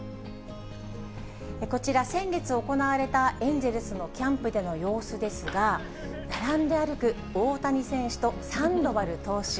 こちら、先月行われたエンゼルスのキャンプでの様子ですが、並んで歩く大谷選手とサンドバル投手。